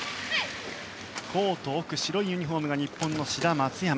コート奥、白いユニホームが日本の志田、松山。